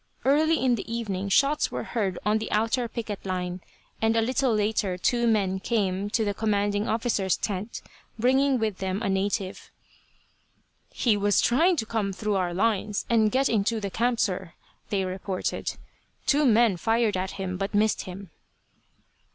Early in the evening shots were heard on the outer picket line, and a little later two men came to the commanding officers tent bringing with them a native. "He was trying to come through our lines and get into the camp, sir," they reported. "Two men fired at him, but missed him."